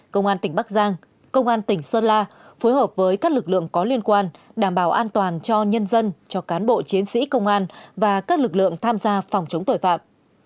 công an tỉnh bắc giang công an tỉnh sơn la phối hợp với các lực lượng có liên quan đảm bảo an toàn cho nhân dân cho cán bộ chiến sĩ công an và các lực lượng tham gia phòng chống tội phạm